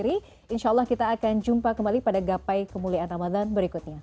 insya allah kita akan jumpa kembali pada gapai kemuliaan ramadhan berikutnya